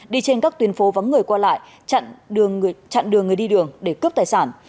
đi trên các tuyến phố vắng người qua lại chặn đường người đi đường để cướp tài sản